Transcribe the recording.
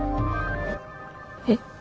えっ？